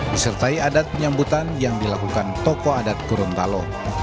disertai adat penyambutan yang dilakukan tokoh adat gorontalo